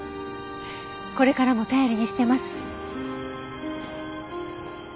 これからも頼りにしてます。